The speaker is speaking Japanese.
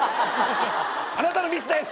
あなたのミスです。